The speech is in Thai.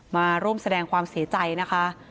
มาร่วมแสดงความเสียใจนะคะ